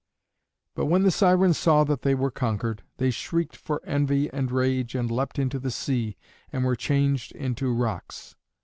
But when the Sirens saw that they were conquered, they shrieked for envy and rage and leapt into the sea, and were changed into rocks.